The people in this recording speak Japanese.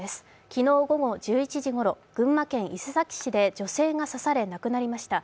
昨日午後１１時ごろ、群馬県伊勢崎市で女性が刺され亡くなりました。